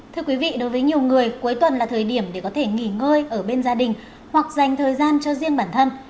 thưa quý vị đối với nhiều người cuối tuần là thời điểm để có thể nghỉ ngơi ở bên gia đình hoặc dành thời gian cho riêng bản thân